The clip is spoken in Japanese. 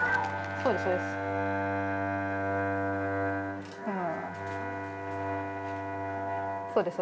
そうですそうです。